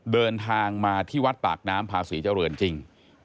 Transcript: เดินทางมาที่วัดปากน้ำพาศรีเจริญจริง